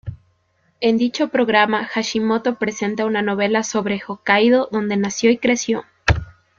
En dicho programa, Hashimoto presenta una novela sobre Hokkaidō, donde nació y creció.